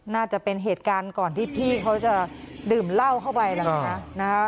น่าจะเป็นเหตุการณ์ก่อนที่พี่เขาจะดื่มเหล้าเข้าไปนะคะ